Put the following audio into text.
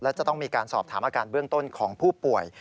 และจะต้องมีการสอบถามอาการเบื้องต้นของผู้ป่วย